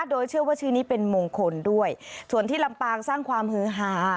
โดยเชื่อว่าชื่อนี้เป็นมงคลด้วยส่วนที่ลำปางสร้างความฮือหา